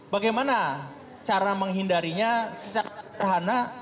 bagaimana cara menghindarinya secara terhana